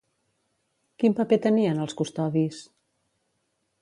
Quin paper tenien els custodis?